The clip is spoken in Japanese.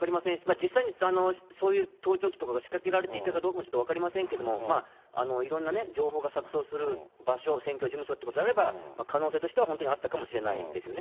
実際にそういう盗聴器とかが仕掛けられていたかどうかも、ちょっと分かりませんけれども、いろんな情報が錯そうする場所、選挙事務所っていうことであれば、可能性としては本当にあったかもしれないですよね。